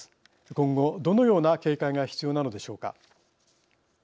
今後どのような警戒が必要なのでしょうか。